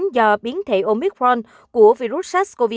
do biến thể omicron của virus sars cov hai